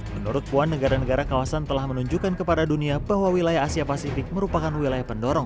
menurut puan negara negara kawasan telah menunjukkan kepada dunia bahwa wilayah asia pasifik merupakan wilayah pendorong